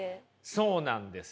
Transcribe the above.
そうなんですよ。